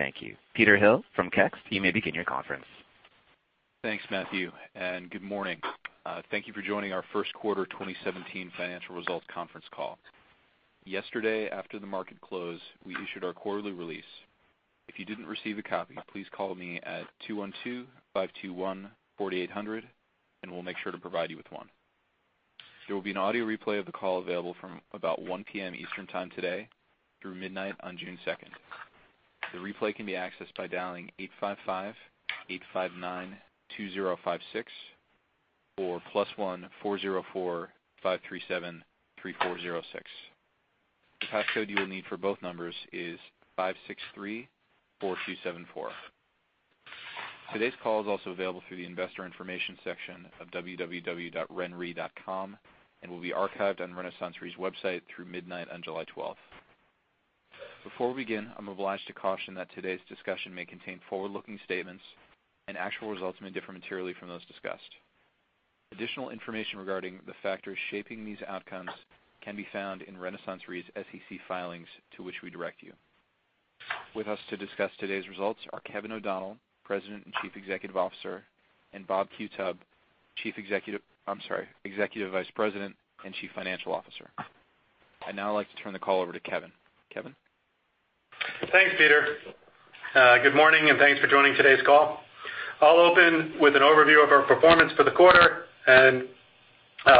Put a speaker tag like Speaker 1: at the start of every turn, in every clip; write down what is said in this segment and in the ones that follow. Speaker 1: Thank you. Peter Hill from Kekst, you may begin your conference.
Speaker 2: Thanks, Matthew, and good morning. Thank you for joining our first quarter 2017 financial results conference call. Yesterday, after the market close, we issued our quarterly release. If you didn't receive a copy, please call me at 212-521-4800, and we'll make sure to provide you with one. There will be an audio replay of the call available from about 1:00 P.M. Eastern time today through midnight on June 2nd. The replay can be accessed by dialing 855-859-2056 or +1 404-537-3406. The pass code you will need for both numbers is 5634274. Today's call is also available through the investor information section of www.renre.com and will be archived on RenaissanceRe's website through midnight on July 12th. Before we begin, I'm obliged to caution that today's discussion may contain forward-looking statements and actual results may differ materially from those discussed. Additional information regarding the factors shaping these outcomes can be found in RenaissanceRe's SEC filings, to which we direct you. With us to discuss today's results are Kevin O'Donnell, President and Chief Executive Officer, and Robert Qutub, Executive Vice President and Chief Financial Officer. I'd now like to turn the call over to Kevin. Kevin?
Speaker 3: Thanks, Peter. Good morning, and thanks for joining today's call. I'll open with an overview of our performance for the quarter, and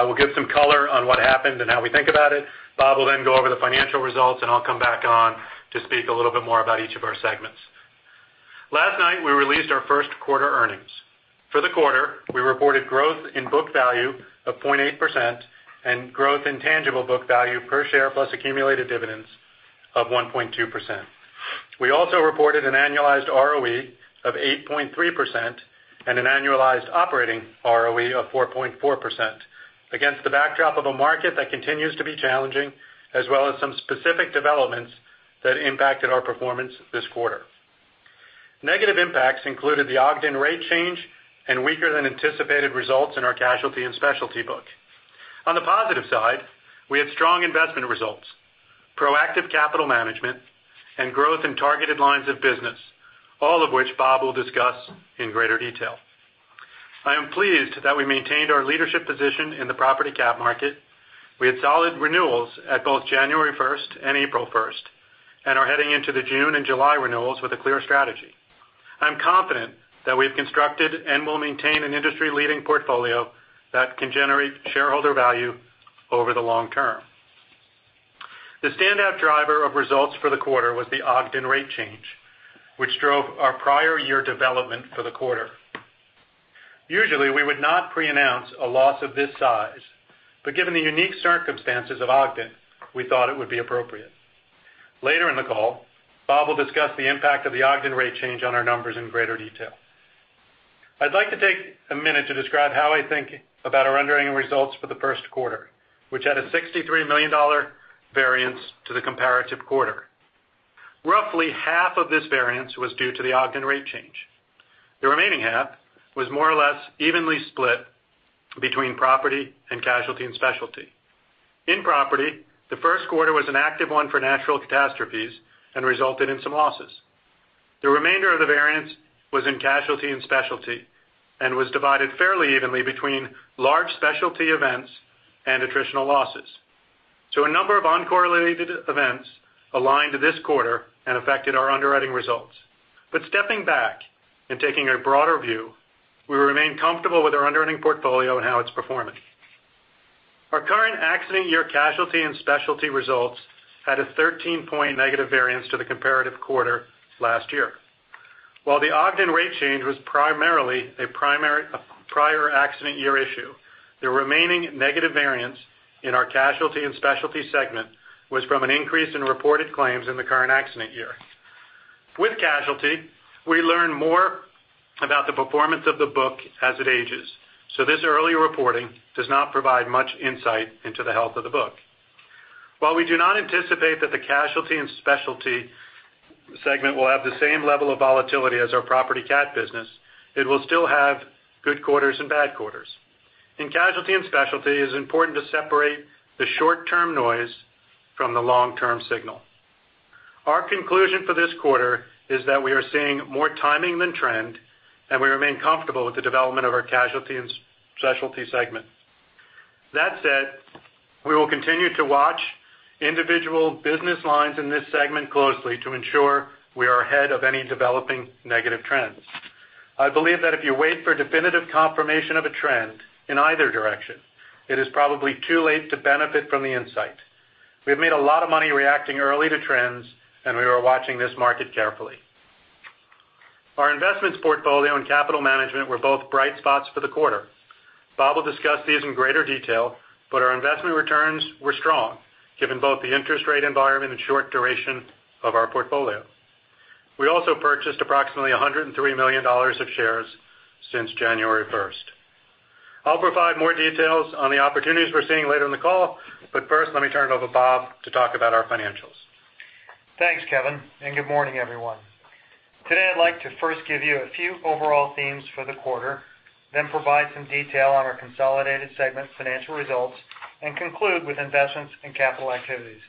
Speaker 3: we'll give some color on what happened and how we think about it. Bob will then go over the financial results, and I'll come back on to speak a little bit more about each of our segments. Last night, we released our first-quarter earnings. For the quarter, we reported growth in book value of 0.8% and growth in tangible book value per share plus accumulated dividends of 1.2%. We also reported an annualized ROE of 8.3% and an annualized operating ROE of 4.4% against the backdrop of a market that continues to be challenging, as well as some specific developments that impacted our performance this quarter. Negative impacts included the Ogden rate change and weaker than anticipated results in our casualty and specialty book. On the positive side, we had strong investment results, proactive capital management, and growth in targeted lines of business, all of which Bob will discuss in greater detail. I am pleased that we maintained our leadership position in the property cat market. We had solid renewals at both January 1st and April 1st and are heading into the June and July renewals with a clear strategy. I'm confident that we've constructed and will maintain an industry-leading portfolio that can generate shareholder value over the long term. The standout driver of results for the quarter was the Ogden rate change, which drove our prior year development for the quarter. Usually, we would not preannounce a loss of this size, but given the unique circumstances of Ogden, we thought it would be appropriate. Later in the call, Bob will discuss the impact of the Ogden rate change on our numbers in greater detail. I'd like to take a minute to describe how I think about our underwriting results for the first quarter, which had a $63 million variance to the comparative quarter. Roughly half of this variance was due to the Ogden rate change. The remaining half was more or less evenly split between property and casualty and specialty. In property, the first quarter was an active one for natural catastrophes and resulted in some losses. The remainder of the variance was in casualty and specialty and was divided fairly evenly between large specialty events and attritional losses. A number of uncorrelated events aligned this quarter and affected our underwriting results. Stepping back and taking a broader view, we remain comfortable with our underwriting portfolio and how it's performing. Our current accident year casualty and specialty results had a 13-point negative variance to the comparative quarter last year. While the Ogden rate change was primarily a prior accident year issue, the remaining negative variance in our casualty and specialty segment was from an increase in reported claims in the current accident year. With casualty, we learn more about the performance of the book as it ages, so this early reporting does not provide much insight into the health of the book. While we do not anticipate that the casualty and specialty segment will have the same level of volatility as our property cat business, it will still have good quarters and bad quarters. In casualty and specialty, it is important to separate the short-term noise from the long-term signal. Our conclusion for this quarter is that we are seeing more timing than trend, and we remain comfortable with the development of our casualty and specialty segment. That said, we will continue to watch individual business lines in this segment closely to ensure we are ahead of any developing negative trends. I believe that if you wait for definitive confirmation of a trend in either direction, it is probably too late to benefit from the insight. We have made a lot of money reacting early to trends, and we are watching this market carefully. Our investments portfolio and capital management were both bright spots for the quarter. Bob will discuss these in greater detail, but our investment returns were strong given both the interest rate environment and short duration of our portfolio. We also purchased approximately $103 million of shares since January 1st. I'll provide more details on the opportunities we're seeing later in the call. First, let me turn it over to Bob to talk about our financials.
Speaker 4: Thanks, Kevin, and good morning, everyone. Today, I'd like to first give you a few overall themes for the quarter. Provide some detail on our consolidated segment financial results, and conclude with investments and capital activities.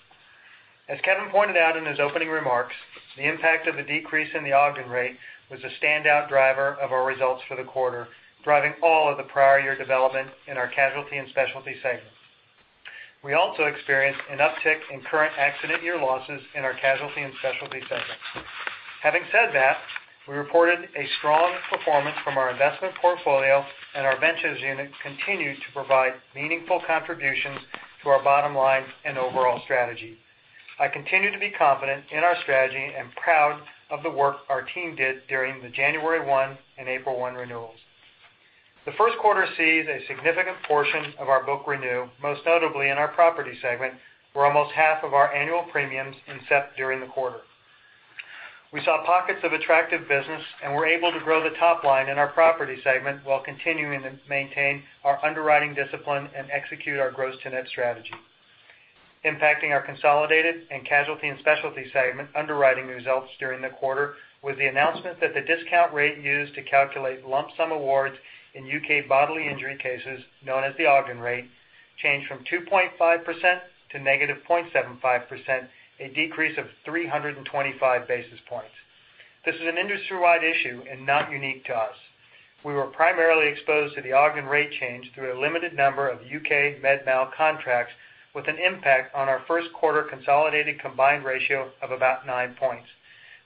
Speaker 4: As Kevin pointed out in his opening remarks, the impact of the decrease in the Ogden rate was a standout driver of our results for the quarter, driving all of the prior year development in our casualty and specialty segments. We also experienced an uptick in current accident year losses in our casualty and specialty segments. Having said that, we reported a strong performance from our investment portfolio, and our ventures unit continued to provide meaningful contributions to our bottom line and overall strategy. I continue to be confident in our strategy and proud of the work our team did during the January 1 and April 1 renewals. The first quarter sees a significant portion of our book renew, most notably in our property segment, where almost half of our annual premiums incept during the quarter. We saw pockets of attractive business, and were able to grow the top line in our property segment while continuing to maintain our underwriting discipline and execute our gross-to-net strategy. Impacting our consolidated and casualty and specialty segment underwriting results during the quarter was the announcement that the discount rate used to calculate lump sum awards in U.K. bodily injury cases, known as the Ogden rate, changed from 2.5% to negative 0.75%, a decrease of 325 basis points. This is an industry-wide issue and not unique to us. We were primarily exposed to the Ogden rate change through a limited number of U.K. med mal contracts, with an impact on our first quarter consolidated combined ratio of about nine points.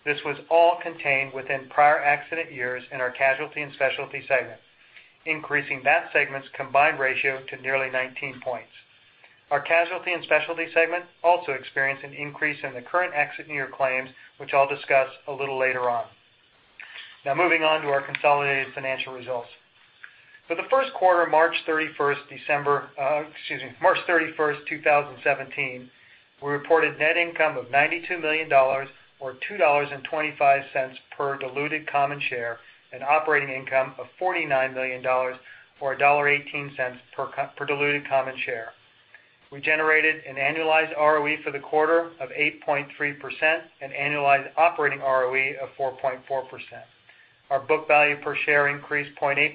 Speaker 4: This was all contained within prior accident years in our casualty and specialty segment, increasing that segment's combined ratio to nearly 19 points. Our casualty and specialty segment also experienced an increase in the current accident year claims, which I'll discuss a little later on. Moving on to our consolidated financial results. For the first quarter, March 31, 2017, we reported net income of $92 million, or $2.25 per diluted common share, and operating income of $49 million, or $1.18 per diluted common share. We generated an annualized ROE for the quarter of 8.3% and annualized operating ROE of 4.4%. Our book value per share increased 0.8%,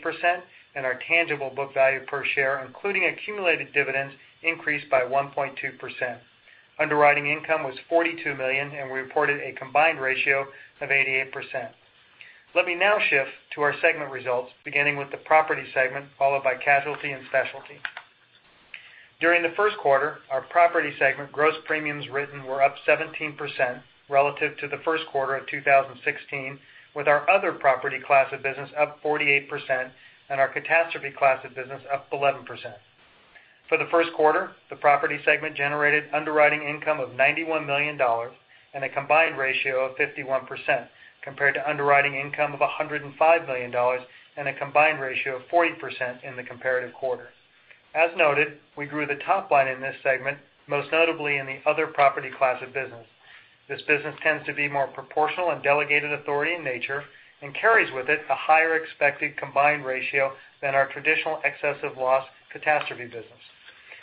Speaker 4: and our tangible book value per share, including accumulated dividends, increased by 1.2%. Underwriting income was $42 million, and we reported a combined ratio of 88%. Let me now shift to our segment results, beginning with the property segment, followed by casualty and specialty. During the first quarter, our property segment gross premiums written were up 17% relative to the first quarter of 2016, with our other property class of business up 48% and our catastrophe class of business up 11%. For the first quarter, the property segment generated underwriting income of $91 million and a combined ratio of 51%, compared to underwriting income of $105 million and a combined ratio of 40% in the comparative quarter. As noted, we grew the top line in this segment, most notably in the other property class of business. This business tends to be more proportional and delegated authority in nature and carries with it a higher expected combined ratio than our traditional excess of loss property cat business.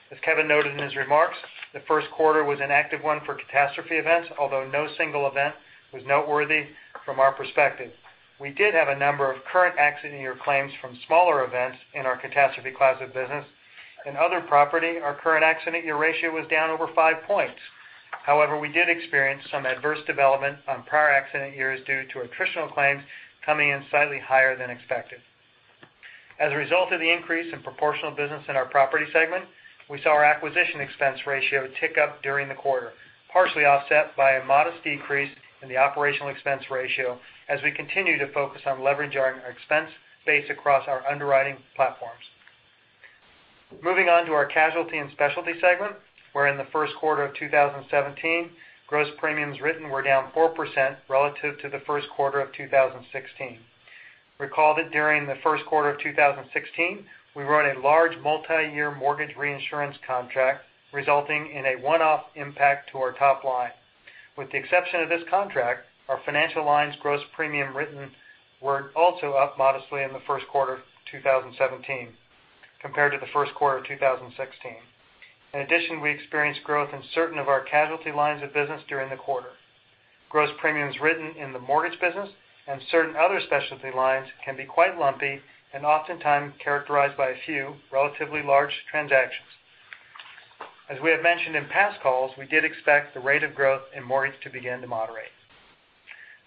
Speaker 4: As Kevin noted in his remarks, the first quarter was an active one for catastrophe events, although no single event was noteworthy from our perspective. We did have a number of current accident year claims from smaller events in our catastrophe class of business. In other property, our current accident year ratio was down over five points. However, we did experience some adverse development on prior accident years due to attritional claims coming in slightly higher than expected. As a result of the increase in proportional business in our property segment, we saw our acquisition expense ratio tick up during the quarter, partially offset by a modest decrease in the operational expense ratio as we continue to focus on leveraging our expense base across our underwriting platforms. Moving on to our casualty and specialty segment, where in the first quarter of 2017, gross premiums written were down 4% relative to the first quarter of 2016. Recall that during the first quarter of 2016, we wrote a large multi-year mortgage reinsurance contract, resulting in a one-off impact to our top line. With the exception of this contract, our financial lines' gross premium written were also up modestly in the first quarter 2017 compared to the first quarter of 2016. In addition, we experienced growth in certain of our casualty lines of business during the quarter. Gross premiums written in the mortgage business and certain other specialty lines can be quite lumpy and oftentimes characterized by a few relatively large transactions. As we have mentioned in past calls, we did expect the rate of growth in mortgage to begin to moderate.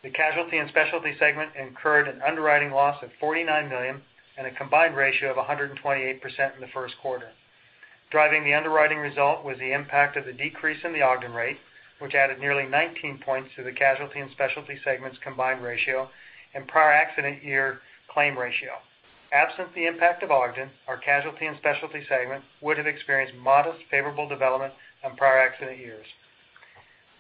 Speaker 4: The Casualty and Specialty segment incurred an underwriting loss of $49 million and a combined ratio of 128% in the first quarter. Driving the underwriting result was the impact of the decrease in the Ogden rate, which added nearly 19 points to the Casualty and Specialty segment's combined ratio and prior accident year claim ratio. Absent the impact of Ogden, our Casualty and Specialty segment would have experienced modest favorable development on prior accident years.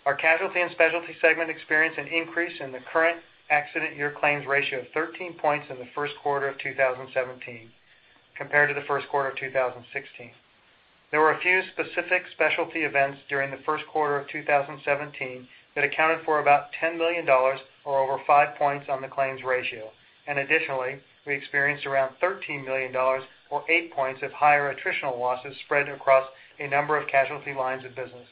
Speaker 4: Our Casualty and Specialty segment experienced an increase in the current accident year claims ratio of 13 points in the first quarter of 2017 compared to the first quarter of 2016. There were a few specific specialty events during the first quarter of 2017 that accounted for about $10 million, or over five points on the claims ratio. Additionally, we experienced around $13 million or eight points of higher attritional losses spread across a number of casualty lines of business.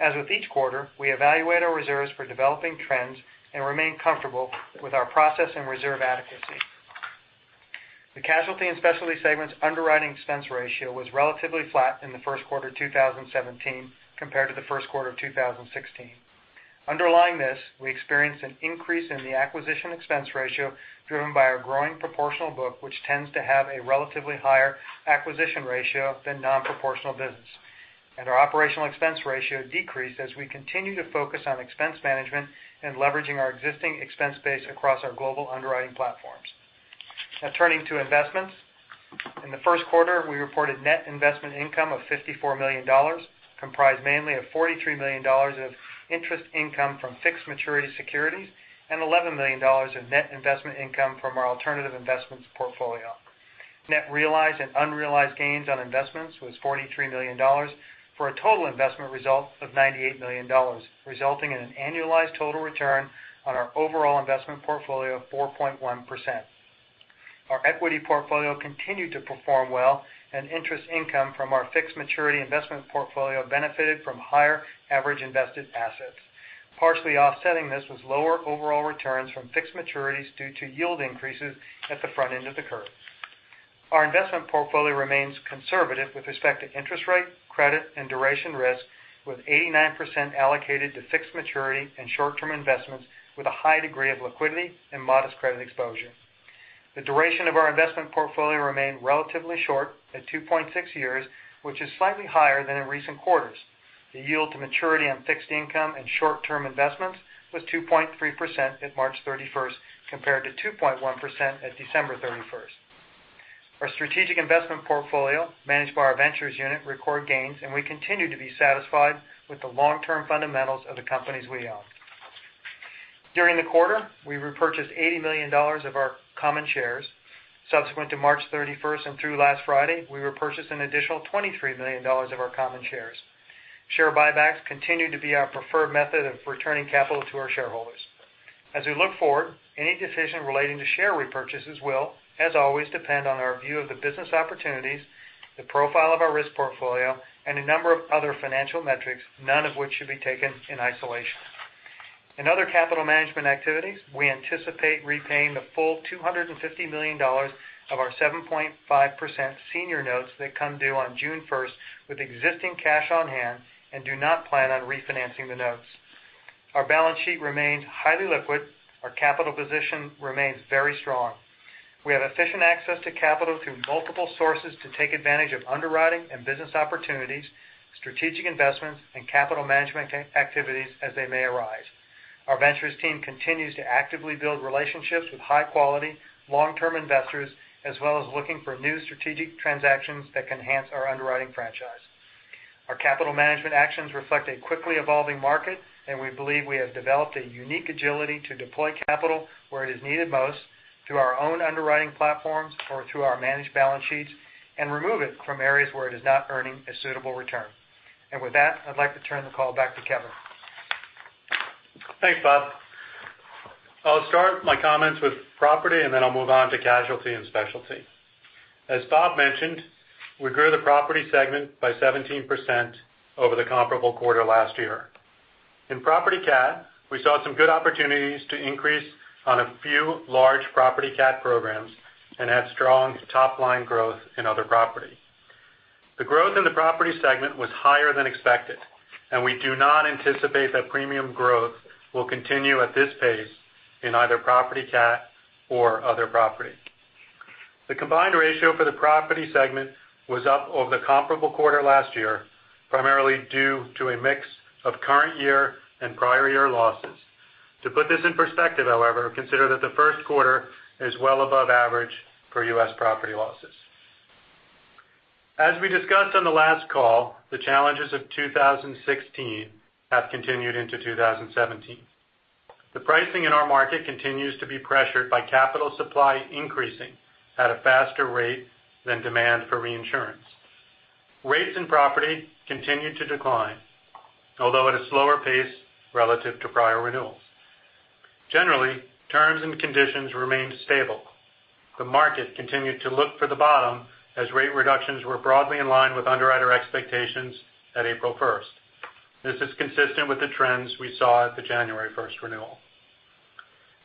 Speaker 4: As with each quarter, we evaluate our reserves for developing trends and remain comfortable with our process and reserve adequacy. The Casualty and Specialty segments underwriting expense ratio was relatively flat in the first quarter 2017 compared to the first quarter of 2016. Underlying this, we experienced an increase in the acquisition expense ratio driven by our growing proportional book, which tends to have a relatively higher acquisition ratio than non-proportional business. Our operational expense ratio decreased as we continue to focus on expense management and leveraging our existing expense base across our global underwriting platforms. Now turning to investments. In the first quarter, we reported net investment income of $54 million, comprised mainly of $43 million of interest income from fixed maturity securities and $11 million of net investment income from our alternative investments portfolio. Net realized and unrealized gains on investments was $43 million, for a total investment result of $98 million, resulting in an annualized total return on our overall investment portfolio of 4.1%. Our equity portfolio continued to perform well, and interest income from our fixed maturity investment portfolio benefited from higher average invested assets. Partially offsetting this was lower overall returns from fixed maturities due to yield increases at the front end of the curve. Our investment portfolio remains conservative with respect to interest rate, credit, and duration risk, with 89% allocated to fixed maturity and short-term investments with a high degree of liquidity and modest credit exposure. The duration of our investment portfolio remained relatively short at 2.6 years, which is slightly higher than in recent quarters. The yield to maturity on fixed income and short-term investments was 2.3% at March 31st compared to 2.1% at December 31st. Our strategic investment portfolio, managed by our ventures unit, record gains, and we continue to be satisfied with the long-term fundamentals of the companies we own. During the quarter, we repurchased $80 million of our common shares. Subsequent to March 31st and through last Friday, we repurchased an additional $23 million of our common shares. Share buybacks continue to be our preferred method of returning capital to our shareholders. As we look forward, any decision relating to share repurchases will, as always, depend on our view of the business opportunities, the profile of our risk portfolio, and a number of other financial metrics, none of which should be taken in isolation. In other capital management activities, we anticipate repaying the full $250 million of our 7.5% senior notes that come due on June 1st with existing cash on hand and do not plan on refinancing the notes. Our balance sheet remains highly liquid. Our capital position remains very strong. We have efficient access to capital through multiple sources to take advantage of underwriting and business opportunities, strategic investments, and capital management activities as they may arise. Our ventures team continues to actively build relationships with high-quality, long-term investors, as well as looking for new strategic transactions that can enhance our underwriting franchise. Our capital management actions reflect a quickly evolving market. We believe we have developed a unique agility to deploy capital where it is needed most through our own underwriting platforms or through our managed balance sheets and remove it from areas where it is not earning a suitable return. With that, I'd like to turn the call back to Kevin.
Speaker 3: Thanks, Bob. I'll start my comments with property. Then I'll move on to casualty and specialty. As Bob mentioned, we grew the property segment by 17% over the comparable quarter last year. In property cat, we saw some good opportunities to increase on a few large property cat programs and had strong top-line growth in other property. The growth in the property segment was higher than expected. We do not anticipate that premium growth will continue at this pace in either property cat or other property. The combined ratio for the property segment was up over the comparable quarter last year, primarily due to a mix of current year and prior year losses. To put this in perspective, however, consider that the first quarter is well above average for U.S. property losses. As we discussed on the last call, the challenges of 2016 have continued into 2017. The pricing in our market continues to be pressured by capital supply increasing at a faster rate than demand for reinsurance. Rates in property continued to decline, although at a slower pace relative to prior renewals. Generally, terms and conditions remained stable. The market continued to look for the bottom as rate reductions were broadly in line with underwriter expectations at April 1st. This is consistent with the trends we saw at the January 1st renewal.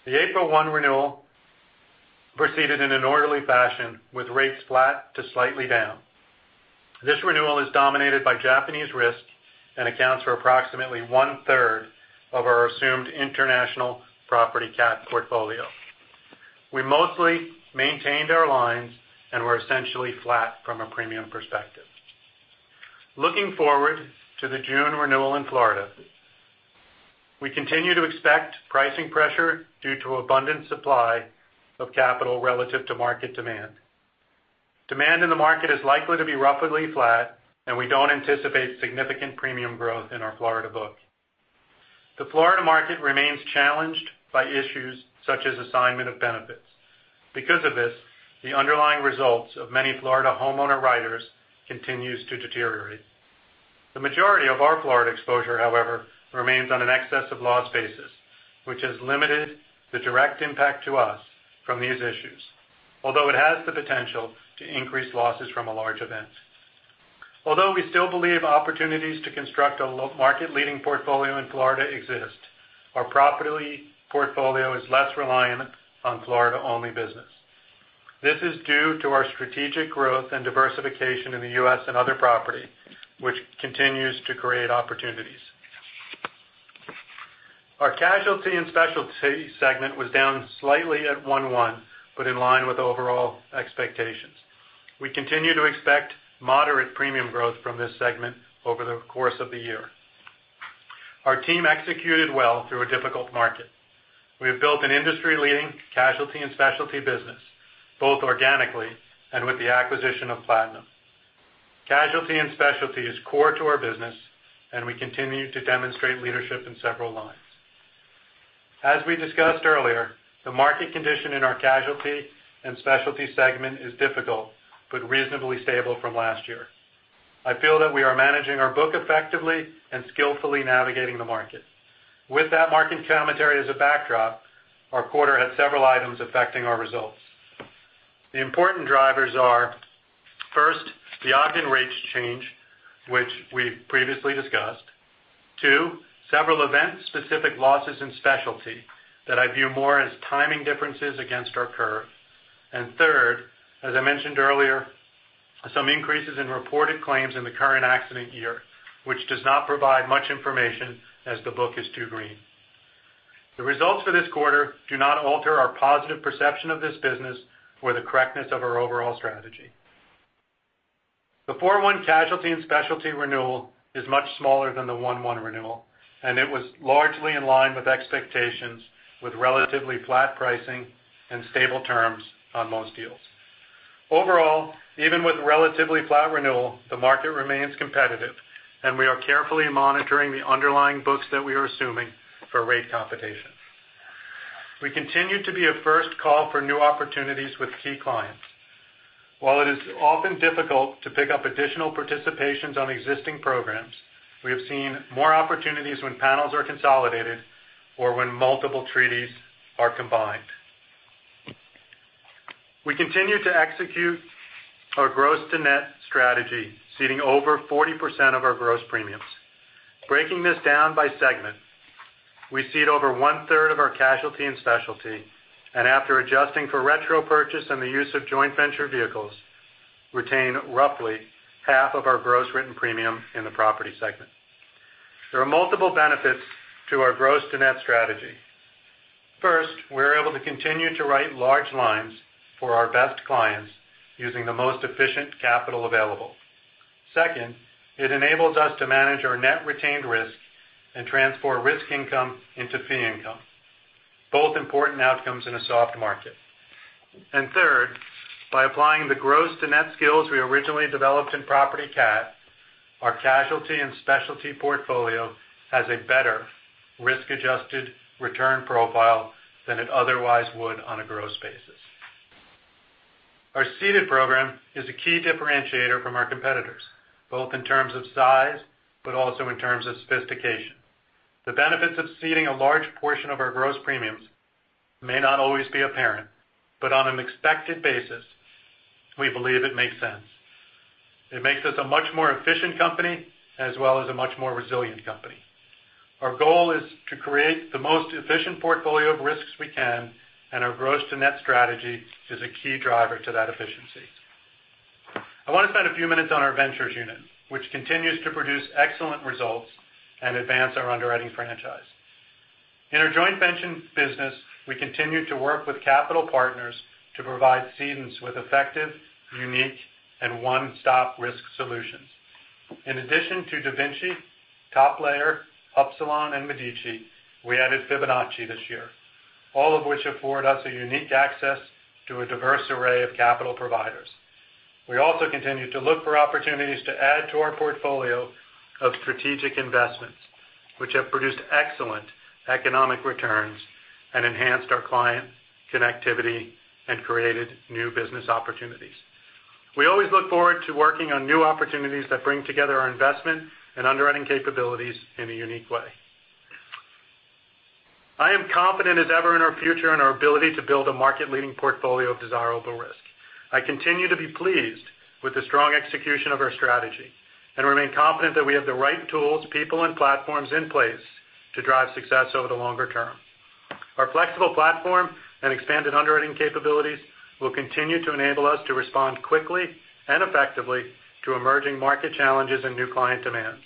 Speaker 3: The April 1 renewal proceeded in an orderly fashion with rates flat to slightly down. This renewal is dominated by Japanese risks and accounts for approximately one-third of our assumed international property cat portfolio. We mostly maintained our lines and were essentially flat from a premium perspective. Looking forward to the June renewal in Florida, we continue to expect pricing pressure due to abundant supply of capital relative to market demand. Demand in the market is likely to be roughly flat. We don't anticipate significant premium growth in our Florida book. The Florida market remains challenged by issues such as assignment of benefits. Because of this, the underlying results of many Florida homeowner writers continues to deteriorate. The majority of our Florida exposure, however, remains on an excess of loss basis, which has limited the direct impact to us from these issues. Although it has the potential to increase losses from a large event. Although we still believe opportunities to construct a market-leading portfolio in Florida exist, our property portfolio is less reliant on Florida-only business. This is due to our strategic growth and diversification in the U.S. and other property, which continues to create opportunities. Our casualty and specialty segment was down slightly at 1/1, in line with overall expectations. We continue to expect moderate premium growth from this segment over the course of the year. Our team executed well through a difficult market. We have built an industry-leading casualty and specialty business, both organically and with the acquisition of Platinum. Casualty and specialty is core to our business. We continue to demonstrate leadership in several lines. As we discussed earlier, the market condition in our casualty and specialty segment is difficult but reasonably stable from last year. I feel that we are managing our book effectively and skillfully navigating the market. With that market commentary as a backdrop, our quarter had several items affecting our results. The important drivers are, first, the Ogden rate change, which we've previously discussed. Two, several event-specific losses in specialty that I view more as timing differences against our curve. Third, as I mentioned earlier, some increases in reported claims in the current accident year, which does not provide much information as the book is too green. The results for this quarter do not alter our positive perception of this business or the correctness of our overall strategy. The 4/1 casualty and specialty renewal is much smaller than the 1/1 renewal. It was largely in line with expectations, with relatively flat pricing and stable terms on most deals. Overall, even with relatively flat renewal, the market remains competitive. We are carefully monitoring the underlying books that we are assuming for rate competitions. We continue to be a first call for new opportunities with key clients. While it is often difficult to pick up additional participations on existing programs, we have seen more opportunities when panels are consolidated or when multiple treaties are combined. We continue to execute our gross to net strategy, ceding over 40% of our gross premiums. Breaking this down by segment, we cede over one-third of our casualty and specialty. After adjusting for retro purchase and the use of joint venture vehicles, retain roughly half of our gross written premium in the property segment. There are multiple benefits to our gross to net strategy. First, we're able to continue to write large lines for our best clients using the most efficient capital available. Second, it enables us to manage our net retained risk and transform risk income into fee income, both important outcomes in a soft market. Third, by applying the gross to net skills we originally developed in property cat, our casualty and specialty portfolio has a better risk-adjusted return profile than it otherwise would on a gross basis. Our ceded program is a key differentiator from our competitors, both in terms of size, but also in terms of sophistication. The benefits of ceding a large portion of our gross premiums may not always be apparent, but on an expected basis, we believe it makes sense. It makes us a much more efficient company, as well as a much more resilient company. Our goal is to create the most efficient portfolio of risks we can, and our gross to net strategy is a key driver to that efficiency. I want to spend a few minutes on our ventures unit, which continues to produce excellent results and advance our underwriting franchise. In our joint venture business, we continue to work with capital partners to provide cedents with effective, unique, and one-stop risk solutions. In addition to DaVinci, Top Layer, Upsilon, and Medici, we added Fibonacci this year, all of which afford us a unique access to a diverse array of capital providers. We also continue to look for opportunities to add to our portfolio of strategic investments, which have produced excellent economic returns and enhanced our client connectivity and created new business opportunities. We always look forward to working on new opportunities that bring together our investment and underwriting capabilities in a unique way. I am confident as ever in our future and our ability to build a market-leading portfolio of desirable risk. I continue to be pleased with the strong execution of our strategy and remain confident that we have the right tools, people, and platforms in place to drive success over the longer term. Our flexible platform and expanded underwriting capabilities will continue to enable us to respond quickly and effectively to emerging market challenges and new client demands.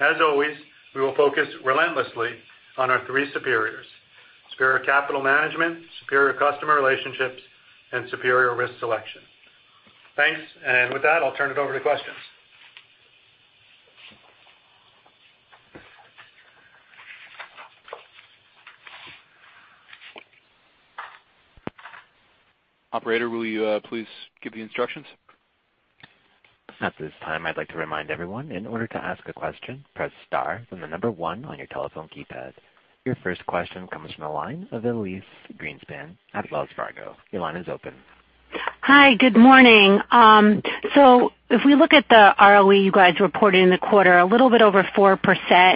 Speaker 3: As always, we will focus relentlessly on our three superiors: superior capital management, superior customer relationships, and superior risk selection. Thanks. With that, I'll turn it over to questions. Operator, will you please give the instructions?
Speaker 1: At this time, I'd like to remind everyone, in order to ask a question, press star, then the number one on your telephone keypad. Your first question comes from the line of Elyse Greenspan at Wells Fargo. Your line is open.
Speaker 5: Hi, good morning. If we look at the ROE you guys reported in the quarter, a little bit over 4%.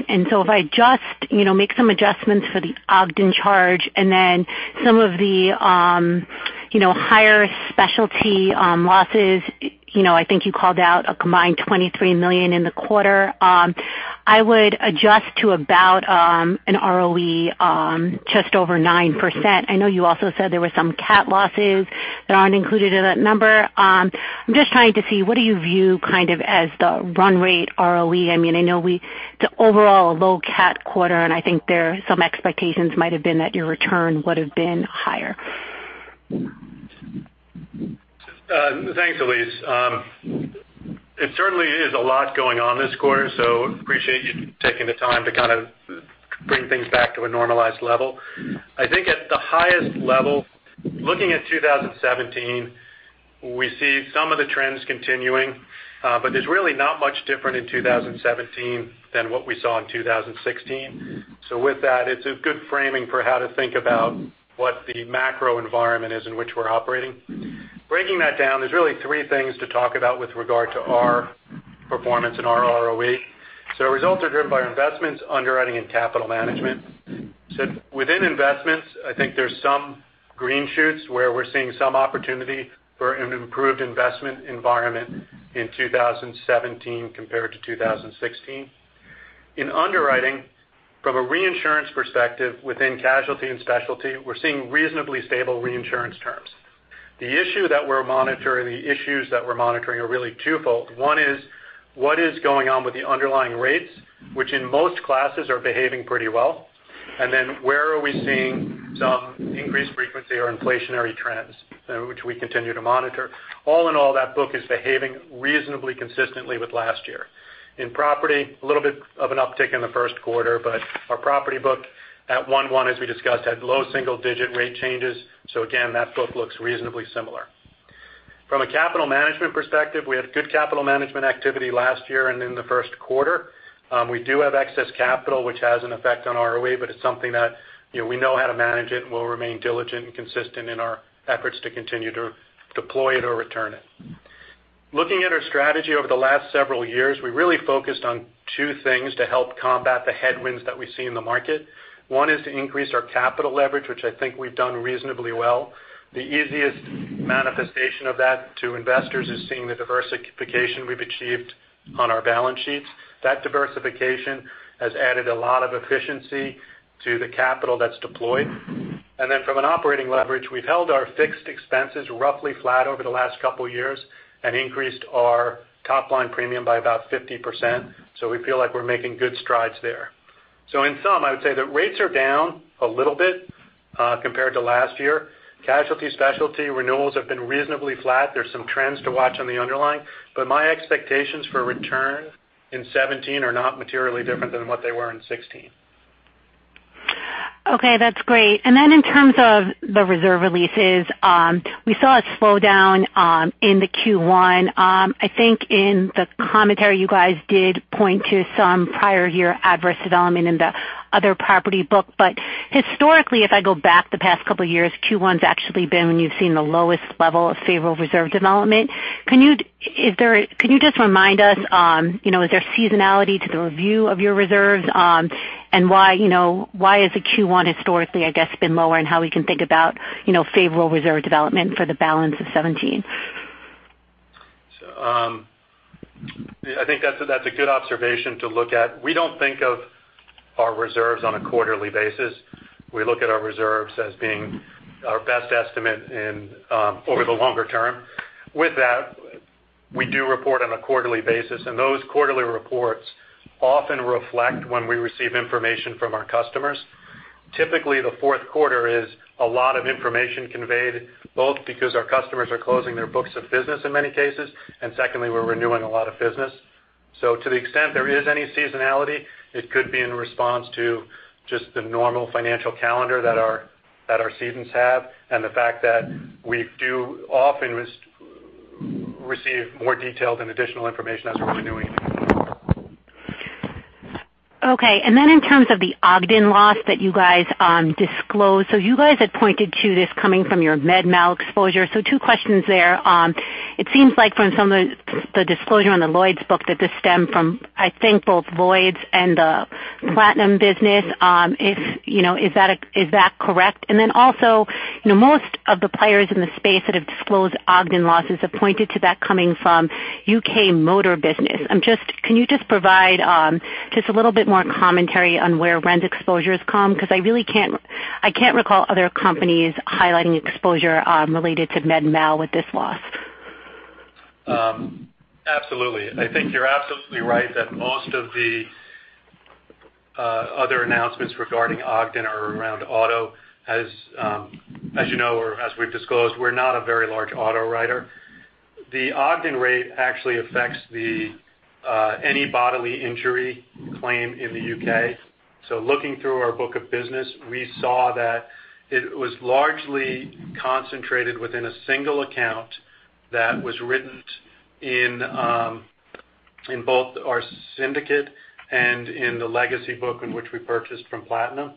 Speaker 5: If I just make some adjustments for the Ogden charge and then some of the higher specialty losses, I think you called out a combined $23 million in the quarter, I would adjust to about an ROE just over 9%. I know you also said there were some CAT losses that aren't included in that number. I'm just trying to see, what do you view kind of as the run rate ROE? I know it's overall a low CAT quarter, and I think some expectations might have been that your return would have been higher.
Speaker 3: Thanks, Elyse. It certainly is a lot going on this quarter, appreciate you taking the time to kind of bring things back to a normalized level. I think at the highest level, looking at 2017, we see some of the trends continuing, there's really not much different in 2017 than what we saw in 2016. With that, it's a good framing for how to think about what the macro environment is in which we're operating. Breaking that down, there's really three things to talk about with regard to our performance and our ROE. Results are driven by our investments, underwriting, and capital management. Within investments, I think there's some green shoots where we're seeing some opportunity for an improved investment environment in 2017 compared to 2016. In underwriting, from a reinsurance perspective within casualty and specialty, we're seeing reasonably stable reinsurance terms. The issues that we're monitoring are really twofold. One is what is going on with the underlying rates, which in most classes are behaving pretty well. Where are we seeing some increased frequency or inflationary trends, which we continue to monitor. All in all, that book is behaving reasonably consistently with last year. In property, a little bit of an uptick in the first quarter, our property book at 1/1, as we discussed, had low single-digit rate changes. Again, that book looks reasonably similar. From a capital management perspective, we had good capital management activity last year and in the first quarter. We do have excess capital, which has an effect on ROE, it's something that we know how to manage it and we'll remain diligent and consistent in our efforts to continue to deploy it or return it. Looking at our strategy over the last several years, we really focused on two things to help combat the headwinds that we see in the market. One is to increase our capital leverage, which I think we've done reasonably well. The easiest manifestation of that to investors is seeing the diversification we've achieved on our balance sheets. That diversification has added a lot of efficiency to the capital that's deployed. From an operating leverage, we've held our fixed expenses roughly flat over the last couple of years and increased our top-line premium by about 50%. We feel like we're making good strides there. In sum, I would say that rates are down a little bit compared to last year. Casualty specialty renewals have been reasonably flat. There's some trends to watch on the underlying. My expectations for return in 2017 are not materially different than what they were in 2016.
Speaker 5: Okay, that's great. In terms of the reserve releases, we saw a slowdown in the Q1. I think in the commentary, you guys did point to some prior year adverse development in the other property book. Historically, if I go back the past couple of years, Q1's actually been when you've seen the lowest level of favorable reserve development. Can you just remind us, is there seasonality to the review of your reserves? Why has the Q1 historically, I guess, been lower and how we can think about favorable reserve development for the balance of 2017?
Speaker 3: I think that's a good observation to look at. We don't think of our reserves on a quarterly basis. We look at our reserves as being our best estimate over the longer term. With that, we do report on a quarterly basis, and those quarterly reports often reflect when we receive information from our customers. Typically, the fourth quarter is a lot of information conveyed, both because our customers are closing their books of business in many cases, and secondly, we're renewing a lot of business. To the extent there is any seasonality, it could be in response to just the normal financial calendar that our cedents have and the fact that we do often receive more detailed and additional information as we're renewing.
Speaker 5: Okay. In terms of the Ogden loss that you guys disclosed, you guys had pointed to this coming from your med mal exposure. Two questions there. It seems like from some of the disclosure on the Lloyd's book that this stemmed from, I think, both Lloyd's and the Platinum business. Is that correct? Also, most of the players in the space that have disclosed Ogden losses have pointed to that coming from U.K. motor business. Can you just provide just a little bit more commentary on where Ren's exposures come? Because I can't recall other companies highlighting exposure related to med mal with this loss.
Speaker 3: Absolutely. I think you're absolutely right that most of the other announcements regarding Ogden rate are around auto. As you know or as we've disclosed, we're not a very large auto writer. The Ogden rate actually affects any bodily injury claim in the U.K. Looking through our book of business, we saw that it was largely concentrated within a single account that was written in both our syndicate and in the legacy book in which we purchased from Platinum.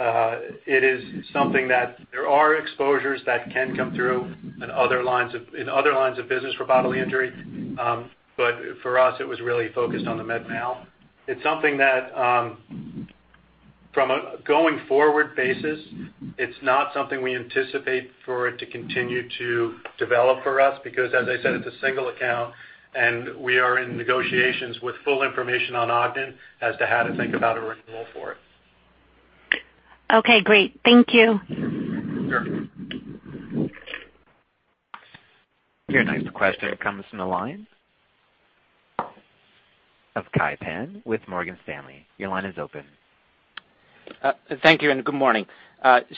Speaker 3: It is something that there are exposures that can come through in other lines of business for bodily injury, but for us, it was really focused on the med mal. It's something that, from a going-forward basis, it's not something we anticipate for it to continue to develop for us because, as I said, it's a single account, and we are in negotiations with full information on Ogden as to how to think about a renewal for it.
Speaker 5: Great. Thank you.
Speaker 3: Sure.
Speaker 1: Your next question comes from the line of Kai Pan with Morgan Stanley. Your line is open.
Speaker 6: Thank you, and good morning.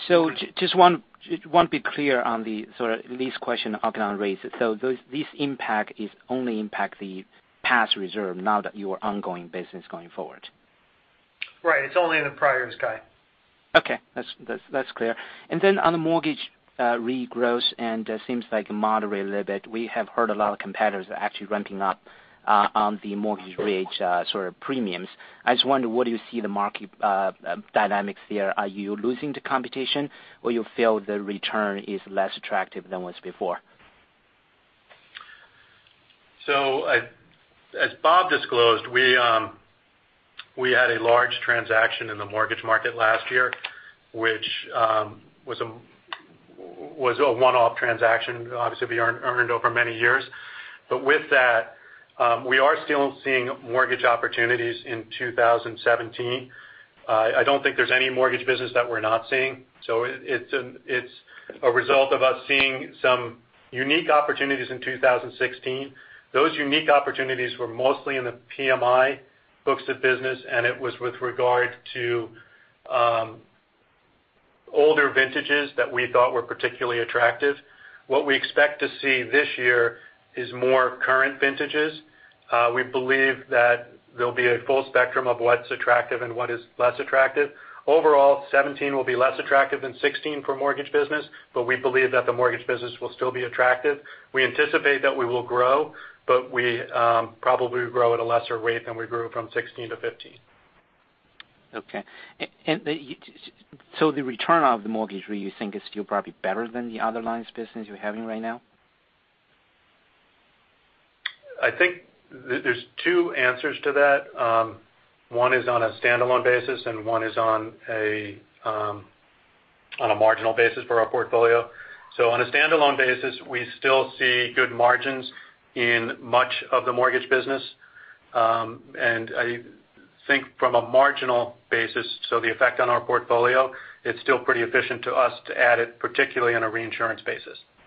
Speaker 6: Just want to be clear on the sort of Elyse question Ogden raised. This impact is only impact the past reserve now that you are ongoing business going forward?
Speaker 3: Right. It's only in the priors, Kai.
Speaker 6: Okay. That's clear. Then on the mortgage regrowth, and seems like moderate a little bit, we have heard a lot of competitors are actually ramping up on the mortgage rate, sort of premiums. I just wonder, what do you see the market dynamics there? Are you losing to competition, or you feel the return is less attractive than was before?
Speaker 3: As Bob disclosed, we had a large transaction in the mortgage market last year, which was a one-off transaction. Obviously, we earned over many years. With that, we are still seeing mortgage opportunities in 2017. I don't think there's any mortgage business that we're not seeing. It's a result of us seeing some unique opportunities in 2016. Those unique opportunities were mostly in the PMI books of business, and it was with regard to older vintages that we thought were particularly attractive. What we expect to see this year is more current vintages. We believe that there'll be a full spectrum of what's attractive and what is less attractive. Overall, 2017 will be less attractive than 2016 for mortgage business, but we believe that the mortgage business will still be attractive. We anticipate that we will grow, but we probably grow at a lesser rate than we grew from 2016 to 2015.
Speaker 6: Okay. The return of the mortgage, where you think is still probably better than the other lines of business you're having right now?
Speaker 3: I think there's two answers to that. One is on a standalone basis, and one is on a marginal basis for our portfolio. On a standalone basis, we still see good margins in much of the mortgage business. I think from a marginal basis, so the effect on our portfolio, it's still pretty efficient to us to add it, particularly on a reinsurance basis.
Speaker 6: Okay.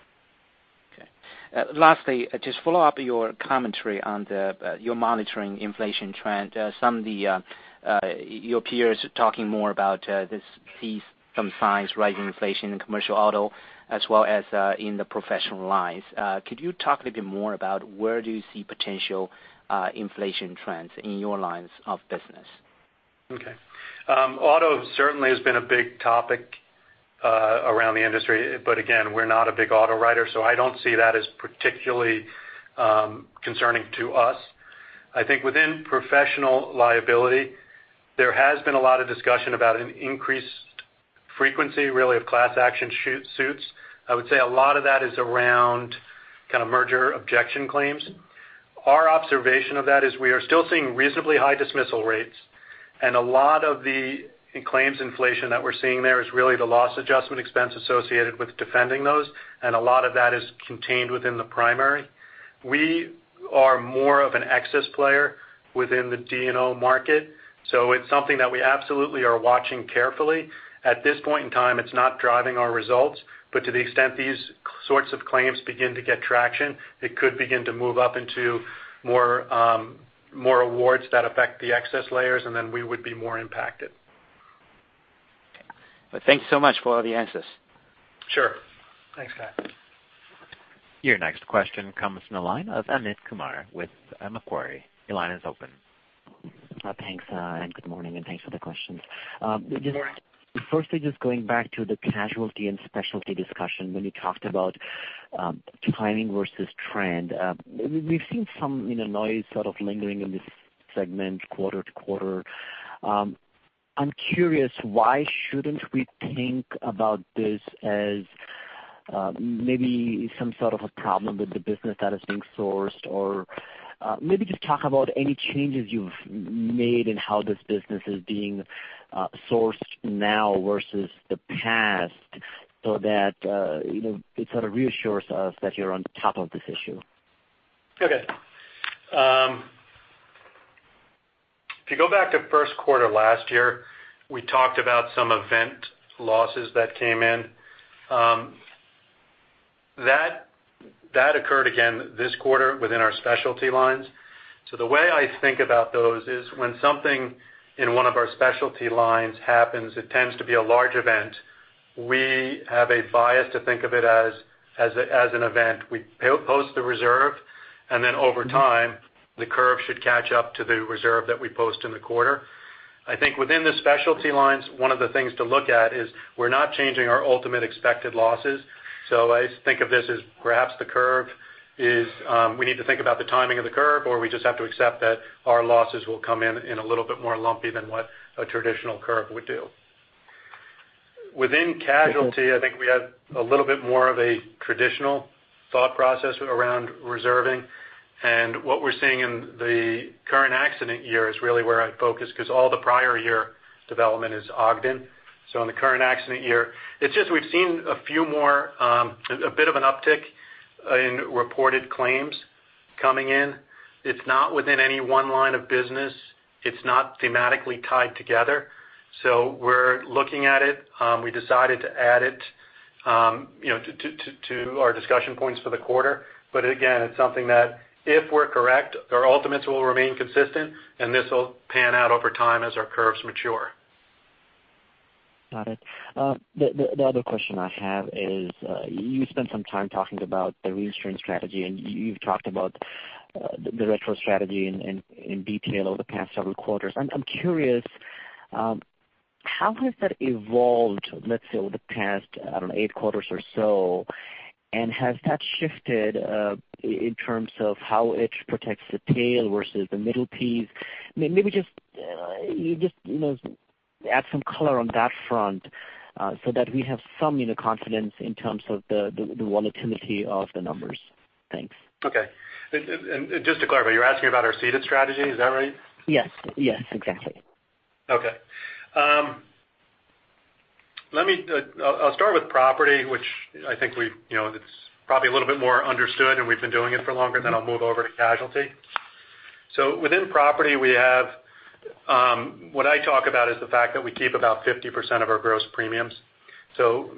Speaker 6: Lastly, just follow up your commentary on the you're monitoring inflation trend. Some of your peers are talking more about this, see some signs rising inflation in commercial auto as well as in the professional lines. Could you talk a little bit more about where do you see potential inflation trends in your lines of business?
Speaker 3: Okay. Auto certainly has been a big topic around the industry. Again, we're not a big auto writer, so I don't see that as particularly concerning to us. I think within professional liability, there has been a lot of discussion about an increased frequency, really, of class action suits. I would say a lot of that is around kind of merger objection claims. Our observation of that is we are still seeing reasonably high dismissal rates, and a lot of the claims inflation that we're seeing there is really the loss adjustment expense associated with defending those, and a lot of that is contained within the primary. We are more of an excess player within the D&O market, so it's something that we absolutely are watching carefully. At this point in time, it's not driving our results. To the extent these sorts of claims begin to get traction, it could begin to move up into more awards that affect the excess layers, and then we would be more impacted.
Speaker 6: Okay. Well, thank you so much for all the answers.
Speaker 3: Sure.
Speaker 4: Thanks, Kai.
Speaker 1: Your next question comes from the line of Amit Kumar with Macquarie. Your line is open.
Speaker 7: Thanks, good morning, and thanks for the questions.
Speaker 3: Good morning.
Speaker 7: Just going back to the casualty and specialty discussion when you talked about timing versus trend. We've seen some noise sort of lingering in this segment quarter-to-quarter. I'm curious, why shouldn't we think about this as maybe some sort of a problem with the business that is being sourced? Maybe just talk about any changes you've made in how this business is being sourced now versus the past so that it sort of reassures us that you're on top of this issue.
Speaker 3: Okay. If you go back to first quarter last year, we talked about some event losses that came in. That occurred again this quarter within our specialty lines. The way I think about those is when something in one of our specialty lines happens, it tends to be a large event. We have a bias to think of it as an event. We post the reserve, and then over time, the curve should catch up to the reserve that we post in the quarter. I think within the specialty lines, one of the things to look at is we're not changing our ultimate expected losses. I think of this as perhaps we need to think about the timing of the curve, or we just have to accept that our losses will come in in a little bit more lumpy than what a traditional curve would do. Within casualty, I think we have a little bit more of a traditional thought process around reserving, and what we're seeing in the current accident year is really where I'd focus, because all the prior year development is Ogden. In the current accident year, it's just we've seen a bit of an uptick in reported claims coming in. It's not within any one line of business. It's not thematically tied together. We're looking at it. We decided to add it to our discussion points for the quarter. Again, it's something that if we're correct, our ultimates will remain consistent, and this will pan out over time as our curves mature.
Speaker 7: Got it. The other question I have is, you spent some time talking about the reinsurance strategy, and you've talked about the retro strategy in detail over the past several quarters. I'm curious, how has that evolved, let's say, over the past, I don't know, eight quarters or so? Has that shifted, in terms of how it protects the tail versus the middle piece? Maybe just add some color on that front, so that we have some confidence in terms of the volatility of the numbers. Thanks.
Speaker 3: Okay. Just to clarify, you're asking about our ceded strategy, is that right?
Speaker 7: Yes. Exactly.
Speaker 3: I'll start with property, which I think it's probably a little bit more understood and we've been doing it for longer. I'll move over to casualty. Within property, what I talk about is the fact that we keep about 50% of our gross premiums.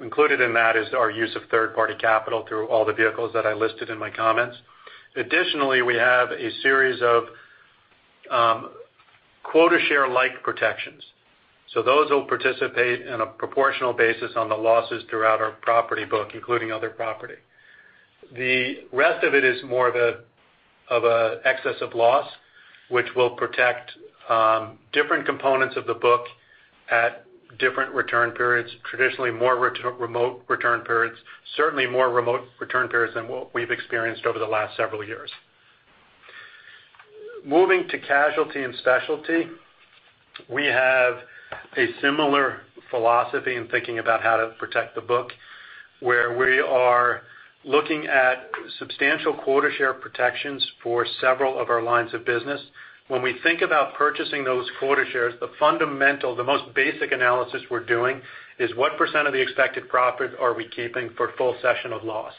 Speaker 3: Included in that is our use of third-party capital through all the vehicles that I listed in my comments. Additionally, we have a series of quota share-like protections. Those will participate in a proportional basis on the losses throughout our property book, including other property. The rest of it is more of an excess of loss, which will protect different components of the book at different return periods, traditionally more remote return periods, certainly more remote return periods than what we've experienced over the last several years. Moving to casualty and specialty, we have a similar philosophy in thinking about how to protect the book, where we are looking at substantial quota share protections for several of our lines of business. When we think about purchasing those quota shares, the fundamental, the most basic analysis we're doing is what % of the expected profit are we keeping for full session of loss?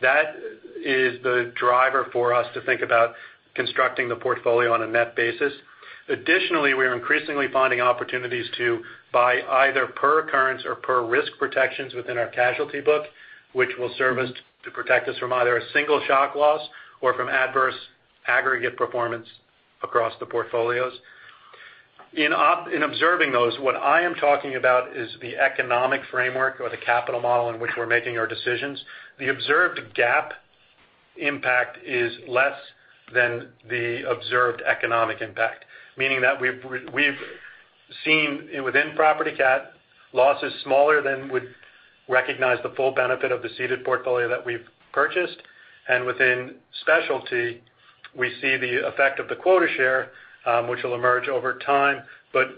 Speaker 3: That is the driver for us to think about constructing the portfolio on a net basis. Additionally, we are increasingly finding opportunities to buy either per occurrence or per risk protections within our casualty book, which will serve us to protect us from either a single shock loss or from adverse aggregate performance across the portfolios. In observing those, what I am talking about is the economic framework or the capital model in which we're making our decisions. The observed GAAP impact is less than the observed economic impact, meaning that we've seen within property cat, losses smaller than would recognize the full benefit of the ceded portfolio that we've purchased. Within specialty, we see the effect of the quota share, which will emerge over time.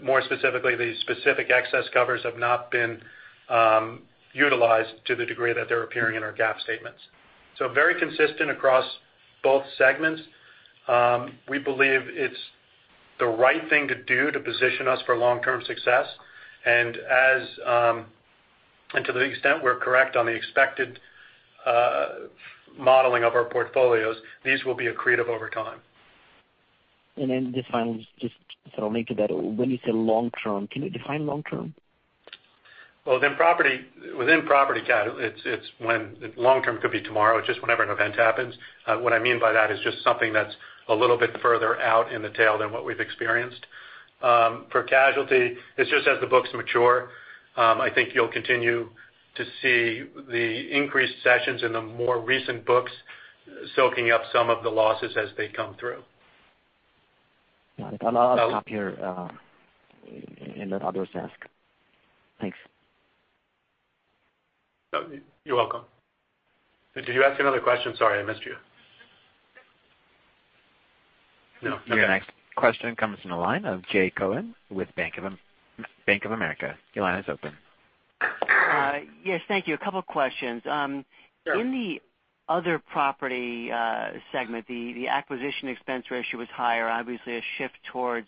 Speaker 3: More specifically, the specific excess covers have not been utilized to the degree that they're appearing in our GAAP statements. Very consistent across both segments. We believe it's the right thing to do to position us for long-term success, and to the extent we're correct on the expected modeling of our portfolios, these will be accretive over time.
Speaker 7: The final, just sort of linked to that, when you say long term, can you define long term?
Speaker 3: Well, within property cat, long term could be tomorrow, just whenever an event happens. What I mean by that is just something that's a little bit further out in the tail than what we've experienced. For casualty, it's just as the books mature, I think you'll continue to see the increased sessions in the more recent books soaking up some of the losses as they come through.
Speaker 7: Got it. I'll stop here and let others ask. Thanks.
Speaker 3: You're welcome. Did you ask another question? Sorry, I missed you. No, you're good.
Speaker 1: The next question comes in the line of Jay Cohen with Bank of America. Your line is open.
Speaker 8: Yes, thank you. A couple questions.
Speaker 3: Sure.
Speaker 8: In the other property segment, the acquisition expense ratio was higher. Obviously, a shift towards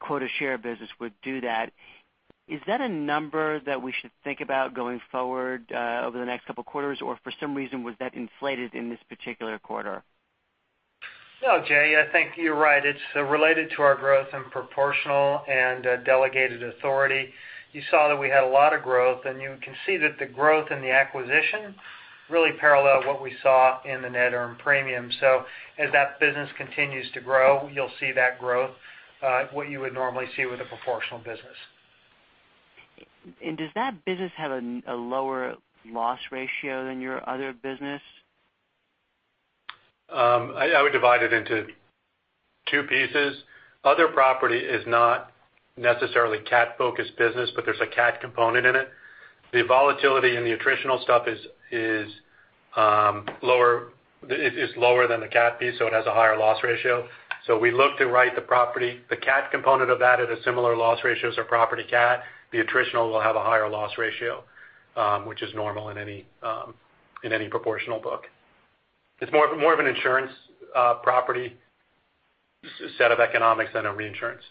Speaker 8: quota share business would do that. Is that a number that we should think about going forward, over the next couple of quarters, or for some reason was that inflated in this particular quarter?
Speaker 3: No, Jay, I think you're right. It's related to our growth in proportional and delegated authority. You saw that we had a lot of growth, you can see that the growth and the acquisition really parallel what we saw in the net earned premium. As that business continues to grow, you'll see that growth, what you would normally see with a proportional business.
Speaker 8: Does that business have a lower loss ratio than your other business?
Speaker 3: I would divide it into two pieces. Other property is not necessarily cat-focused business, but there's a cat component in it. The volatility in the attritional stuff is lower than the cat piece, so it has a higher loss ratio. We look to write the property, the cat component of that at a similar loss ratio as our property cat. The attritional will have a higher loss ratio, which is normal in any proportional book. It's more of an insurance property set of economics than a reinsurance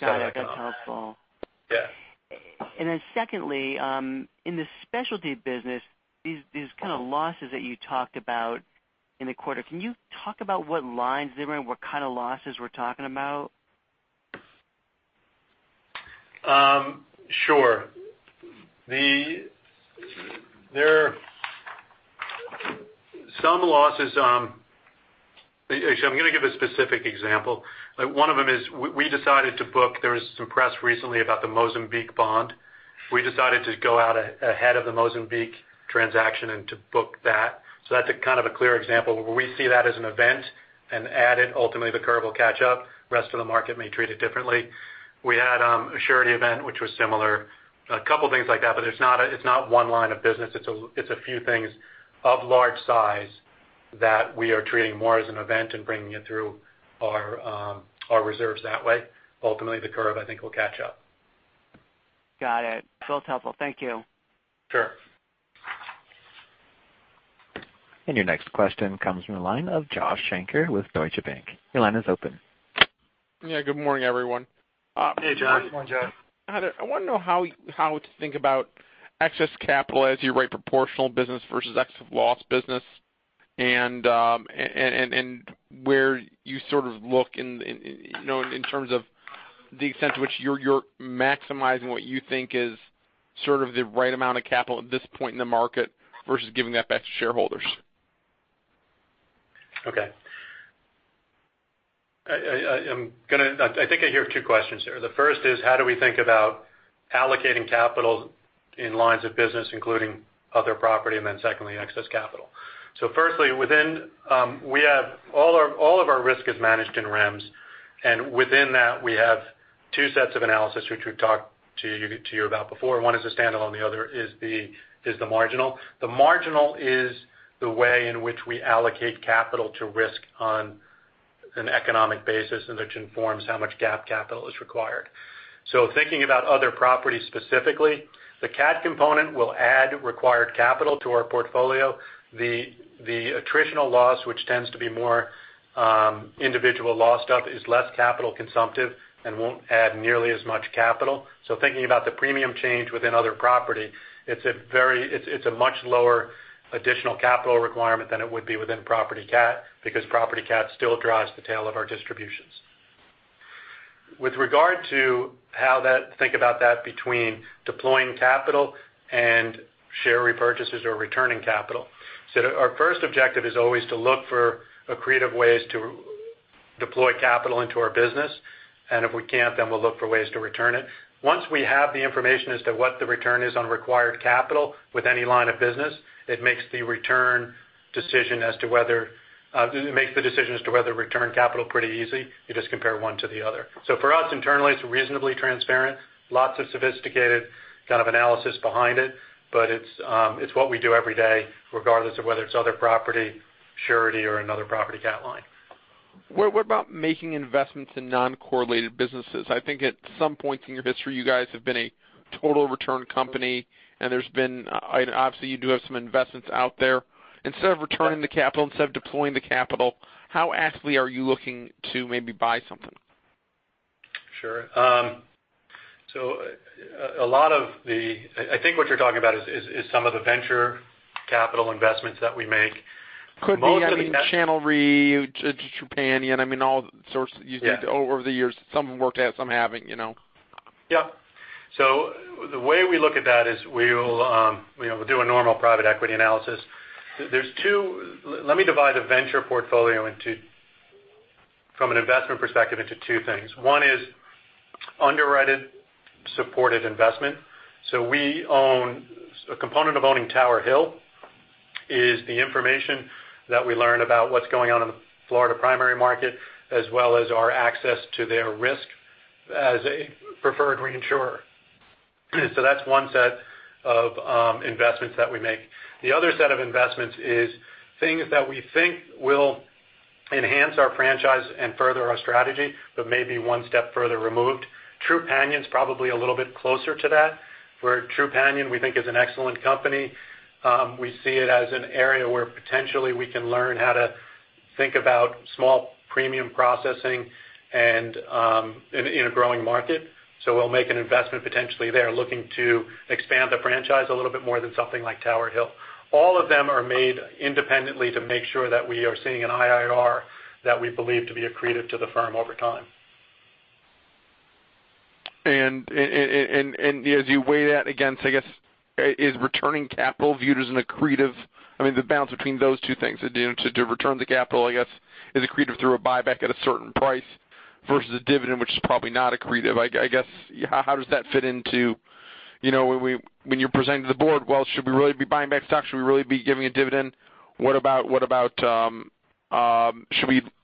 Speaker 3: set of economics.
Speaker 8: Got it. That's helpful.
Speaker 3: Yeah.
Speaker 8: Secondly, in the specialty business, these kind of losses that you talked about in the quarter, can you talk about what lines they were in, what kind of losses we're talking about?
Speaker 3: Sure. Actually, I'm going to give a specific example. One of them is we decided to book, there was some press recently about the Mozambique bond. We decided to go out ahead of the Mozambique transaction and to book that. That's a clear example where we see that as an event and add it. Ultimately, the curve will catch up. Rest of the market may treat it differently. We had a surety event, which was similar. A couple of things like that, but it's not one line of business. It's a few things of large size that we are treating more as an event and bringing it through our reserves that way. Ultimately, the curve, I think will catch up.
Speaker 8: Got it. That's helpful. Thank you.
Speaker 3: Sure.
Speaker 1: Your next question comes from the line of Josh Shanker with Deutsche Bank. Your line is open.
Speaker 9: Yeah. Good morning, everyone.
Speaker 4: Hey, Josh.
Speaker 3: Good morning, Josh.
Speaker 9: Hi there. I want to know how to think about excess capital as you write proportional business versus excess of loss business and where you sort of look in terms of the extent to which you're maximizing what you think is sort of the right amount of capital at this point in the market versus giving that back to shareholders.
Speaker 3: I think I hear two questions there. The first is how do we think about allocating capital in lines of business, including other property, and then secondly, excess capital. Firstly, all of our risk is managed in REMS, and within that, we have two sets of analysis, which we've talked to you about before. One is a standalone, the other is the marginal. The marginal is the way in which we allocate capital to risk on an economic basis, and which informs how much GAAP capital is required. Thinking about other properties specifically, the cat component will add required capital to our portfolio. The attritional loss, which tends to be more individual loss stuff, is less capital consumptive and won't add nearly as much capital. Thinking about the premium change within other property, it's a much lower additional capital requirement than it would be within property cat, because property cat still drives the tail of our distributions. With regard to how to think about that between deploying capital and share repurchases or returning capital. Our first objective is always to look for creative ways to deploy capital into our business, and if we can't, then we'll look for ways to return it. Once we have the information as to what the return is on required capital with any line of business, it makes the decision as to whether return capital pretty easy. You just compare one to the other. For us internally, it's reasonably transparent. Lots of sophisticated kind of analysis behind it, but it's what we do every day, regardless of whether it's other property, surety, or another property cat line.
Speaker 9: What about making investments in non-correlated businesses? I think at some point in your history, you guys have been a total return company, and there's been, obviously, you do have some investments out there. Instead of returning the capital, instead of deploying the capital, how actively are you looking to maybe buy something?
Speaker 3: Sure. I think what you're talking about is some of the venture capital investments that we make.
Speaker 9: Could be, I mean, ChannelRe, Trupanion, all sorts you did over the years. Some worked out, some haven't.
Speaker 3: Yeah. The way we look at that is we'll do a normal private equity analysis. Let me divide a venture portfolio from an investment perspective into two things. One is underwritten supported investment. A component of owning Tower Hill is the information that we learn about what's going on in the Florida primary market as well as our access to their risk as a preferred reinsurer. That's one set of investments that we make. The other set of investments is things that we think will enhance our franchise and further our strategy, but may be one step further removed. Trupanion is probably a little bit closer to that, where Trupanion we think is an excellent company. We see it as an area where potentially we can learn how to think about small premium processing and in a growing market. We'll make an investment potentially there looking to expand the franchise a little bit more than something like Tower Hill. All of them are made independently to make sure that we are seeing an IRR that we believe to be accretive to the firm over time.
Speaker 9: As you weigh that against, I guess, is returning capital viewed as an accretive, I mean, the balance between those two things to do to return the capital, I guess, is accretive through a buyback at a certain price versus a dividend, which is probably not accretive. I guess, how does that fit into when you're presenting to the board, well, should we really be buying back stock? Should we really be giving a dividend?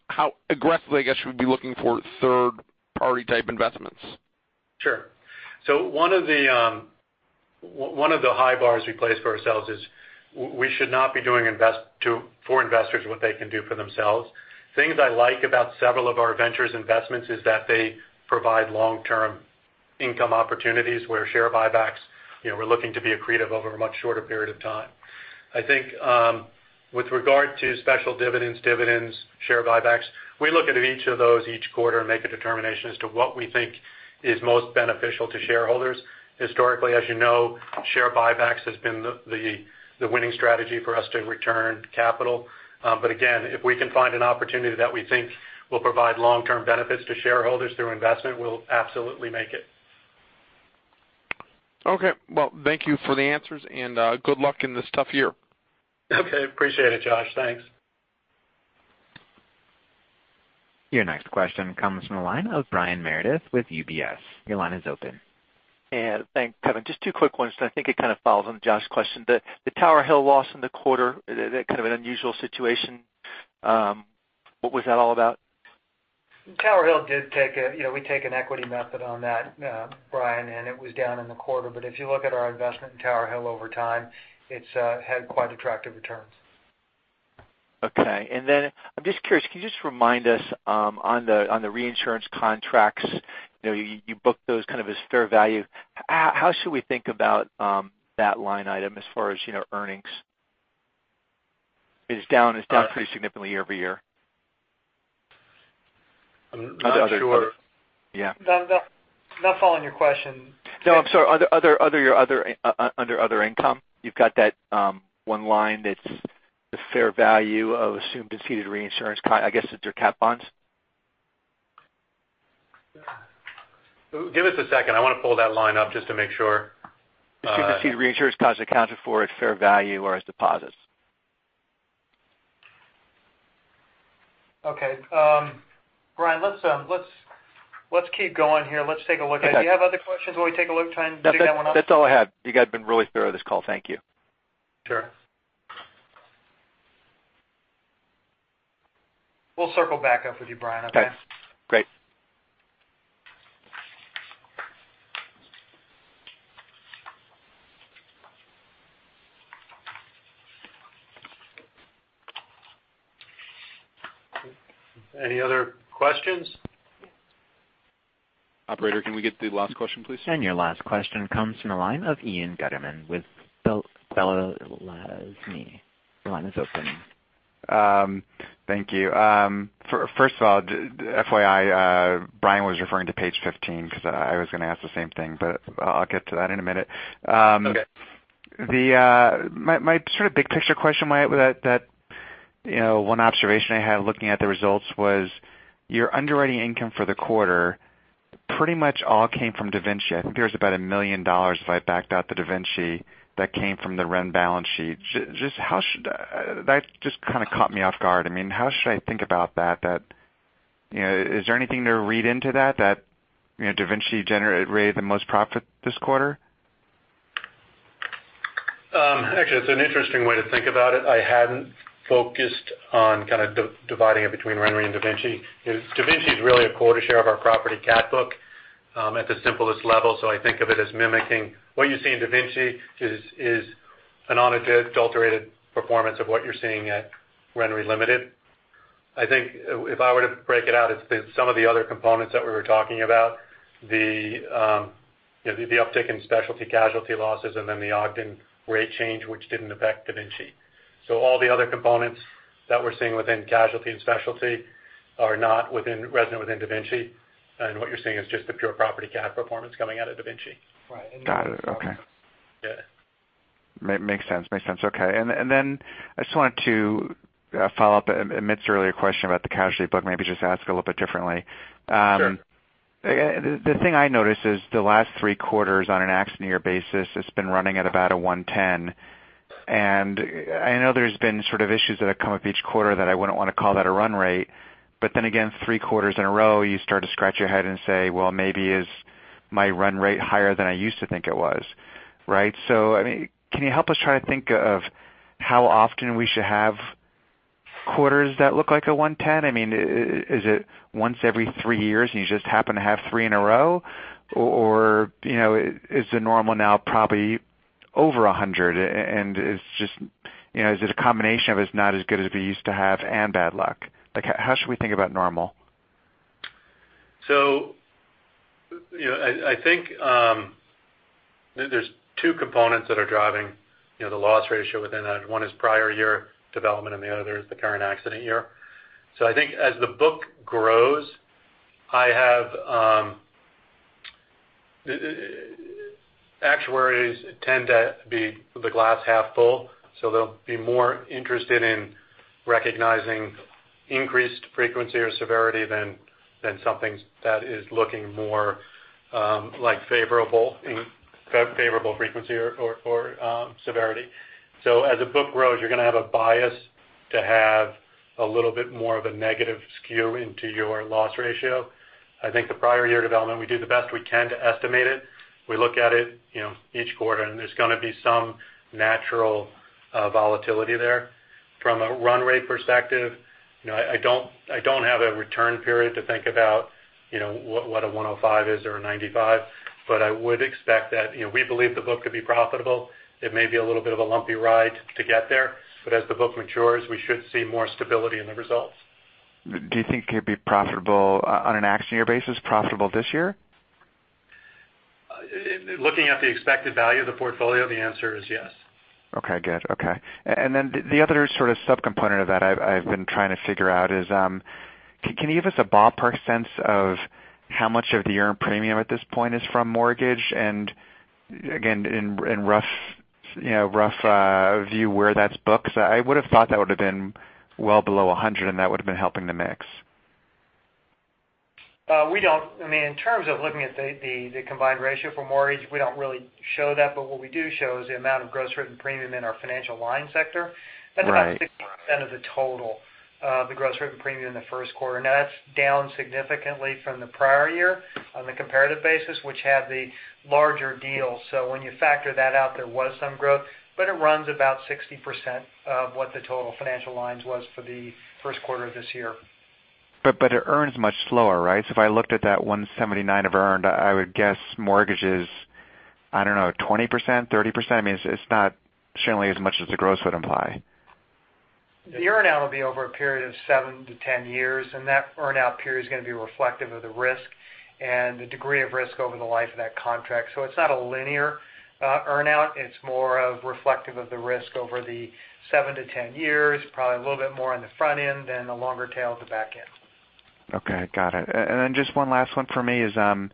Speaker 9: How aggressively, I guess, should we be looking for third-party type investments?
Speaker 3: Sure. One of the high bars we place for ourselves is, we should not be doing for investors what they can do for themselves. Things I like about several of our ventures investments is that they provide long-term income opportunities where share buybacks, we're looking to be accretive over a much shorter period of time. I think, with regard to special dividends, share buybacks, we look at each of those each quarter and make a determination as to what we think is most beneficial to shareholders. Historically, as you know, share buybacks has been the winning strategy for us to return capital. Again, if we can find an opportunity that we think will provide long-term benefits to shareholders through investment, we'll absolutely make it.
Speaker 9: Okay. Well, thank you for the answers, and good luck in this tough year.
Speaker 3: Okay. Appreciate it, Josh. Thanks.
Speaker 1: Your next question comes from the line of Brian Meredith with UBS. Your line is open.
Speaker 10: Yeah. Thanks, Kevin. Just two quick ones, and I think it kind of follows on Josh's question. The Tower Hill loss in the quarter, that kind of an unusual situation. What was that all about?
Speaker 3: Tower Hill, we take an equity method on that, Brian, it was down in the quarter. If you look at our investment in Tower Hill over time, it's had quite attractive returns.
Speaker 10: Okay. I'm just curious, can you just remind us on the reinsurance contracts, you book those kind of as fair value. How should we think about that line item as far as earnings? It's down pretty significantly year-over-year.
Speaker 3: I'm not sure.
Speaker 10: Yeah.
Speaker 3: I'm not following your question.
Speaker 10: No, I'm sorry. Under other income, you've got that one line that's the fair value of assumed ceded reinsurance, I guess it's your catastrophe bonds.
Speaker 3: Give us a second. I want to pull that line up just to make sure.
Speaker 10: Assumed ceded reinsurance costs accounted for at fair value or as deposits.
Speaker 3: Okay. Brian, let's keep going here. Let's take a look at it.
Speaker 10: Okay.
Speaker 3: Do you have other questions while we take a look, try and dig that one up?
Speaker 10: That's all I have. You guys have been really thorough this call. Thank you.
Speaker 3: Sure. We'll circle back up with you, Brian, okay?
Speaker 10: Okay, great.
Speaker 3: Any other questions?
Speaker 9: Operator, can we get the last question, please?
Speaker 1: Your last question comes from the line of Ian Gutterman with Balyasny. Your line is open.
Speaker 11: Thank you. First of all, FYI, Brian was referring to page 15 because I was going to ask the same thing, but I'll get to that in a minute.
Speaker 3: Okay.
Speaker 11: My sort of big picture question, one observation I had looking at the results was your underwriting income for the quarter pretty much all came from DaVinci. I think there was about $1 million, if I backed out the DaVinci, that came from the Ren balance sheet. That just kind of caught me off guard. How should I think about that? Is there anything to read into that DaVinci generated the most profit this quarter?
Speaker 3: It's an interesting way to think about it. I hadn't focused on kind of dividing it between RenRe and DaVinci. DaVinci is really a quota share of our property cat book at the simplest level, so I think of it as mimicking. What you see in DaVinci is an unadulterated performance of what you're seeing at RenRe Limited. I think if I were to break it out, it's some of the other components that we were talking about, the uptick in specialty casualty losses, and then the Ogden rate change, which didn't affect DaVinci. All the other components that we're seeing within casualty and specialty are not resident within DaVinci, and what you're seeing is just the pure property cat performance coming out of DaVinci.
Speaker 11: Got it. Okay.
Speaker 3: Yeah.
Speaker 11: Makes sense. Okay. I just wanted to follow up Amit's earlier question about the casualty book, maybe just ask a little bit differently.
Speaker 3: Sure.
Speaker 11: The thing I noticed is the last 3 quarters on an accident year basis, it's been running at about a 110. I know there's been sort of issues that have come up each quarter that I wouldn't want to call that a run rate. Then again, 3 quarters in a row, you start to scratch your head and say, well, maybe is my run rate higher than I used to think it was, right? Can you help us try to think of how often we should have quarters that look like a 110? Is it once every 3 years, and you just happen to have 3 in a row, or is the normal now probably over 100, and is it a combination of it's not as good as we used to have and bad luck? How should we think about normal?
Speaker 3: I think there's 2 components that are driving the loss ratio within that. One is prior year development, and the other is the current accident year. I think as the book grows, actuaries tend to be the glass half full, so they'll be more interested in recognizing increased frequency or severity than something that is looking more like favorable in favorable frequency or severity. As the book grows, you're going to have a bias to have a little bit more of a negative skew into your loss ratio. I think the prior year development, we do the best we can to estimate it. We look at it each quarter, and there's going to be some natural volatility there. From a run rate perspective, I don't have a return period to think about what a 105 is or a 95. I would expect that we believe the book could be profitable. It may be a little bit of a lumpy ride to get there. As the book matures, we should see more stability in the results.
Speaker 11: Do you think it'd be profitable on an accident year basis, profitable this year?
Speaker 3: Looking at the expected value of the portfolio, the answer is yes.
Speaker 11: Okay, good. Okay. Then the other sort of subcomponent of that I've been trying to figure out is, can you give us a ballpark sense of how much of the earned premium at this point is from mortgage? Again, in rough view where that's booked. I would've thought that would've been well below 100, and that would've been helping the mix.
Speaker 4: In terms of looking at the combined ratio for mortgage, we don't really show that, but what we do show is the amount of gross written premium in our financial lines sector.
Speaker 11: Right.
Speaker 4: That's about 60% of the total of the gross written premium in the first quarter. That's down significantly from the prior year on the comparative basis, which had the larger deal. When you factor that out, there was some growth, but it runs about 60% of what the total financial lines was for the first quarter of this year.
Speaker 11: It earns much slower, right? If I looked at that 179 of earned, I would guess mortgages, I don't know, 20%, 30%. It's not certainly as much as the gross would imply.
Speaker 4: The earn-out will be over a period of seven to 10 years, that earn-out period is going to be reflective of the risk and the degree of risk over the life of that contract. It's not a linear earn-out, it's more of reflective of the risk over the seven to 10 years. Probably a little bit more on the front end than the longer tail at the back end.
Speaker 11: Okay. Got it. Then just one last one for me is, on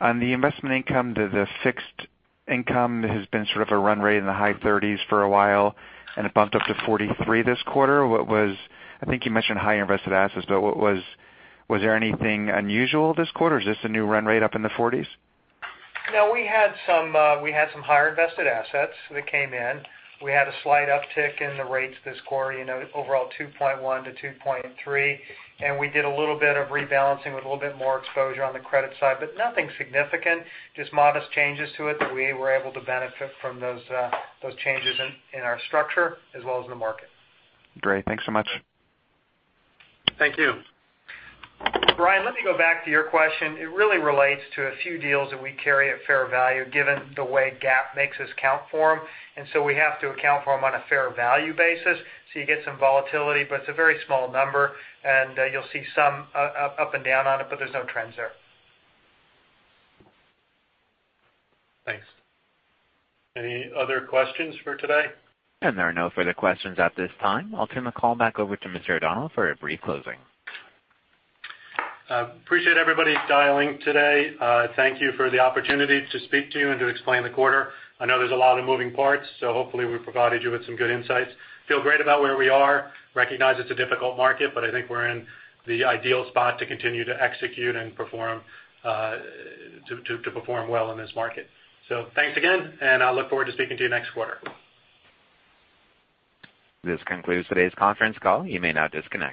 Speaker 11: the investment income, the fixed income has been sort of a run rate in the high 30s for a while, and it bumped up to 43 this quarter. I think you mentioned higher invested assets, was there anything unusual this quarter or is this a new run rate up in the 40s?
Speaker 4: No. We had some higher invested assets that came in. We had a slight uptick in the rates this quarter, overall 2.1 to 2.3, and we did a little bit of rebalancing with a little bit more exposure on the credit side, nothing significant, just modest changes to it that we were able to benefit from those changes in our structure as well as the market.
Speaker 11: Great. Thanks so much.
Speaker 3: Thank you.
Speaker 4: Brian, let me go back to your question. It really relates to a few deals that we carry at fair value, given the way GAAP makes us count for them. We have to account for them on a fair value basis. You get some volatility, but it's a very small number, and you'll see some up and down on it, but there's no trends there.
Speaker 3: Thanks. Any other questions for today?
Speaker 1: There are no further questions at this time. I'll turn the call back over to Mr. O'Donnell for a brief closing.
Speaker 3: I appreciate everybody dialing today. Thank you for the opportunity to speak to you and to explain the quarter. I know there's a lot of moving parts, so hopefully we've provided you with some good insights. I feel great about where we are, recognize it's a difficult market, but I think we're in the ideal spot to continue to execute and to perform well in this market. Thanks again, and I'll look forward to speaking to you next quarter.
Speaker 1: This concludes today's conference call. You may now disconnect.